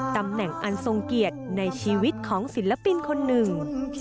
ตำแหน่งอันทรงเกียรติในชีวิตของศิลปินคนหนึ่ง